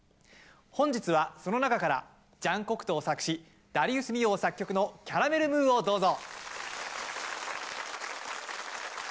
本日はその中からジャン・コクトー作詞ダリウス・ミヨー作曲の「キャラメル・ムー」をどうぞ。